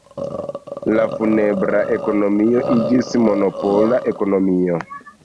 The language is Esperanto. La funebra ekonomio iĝis monopola ekonomio.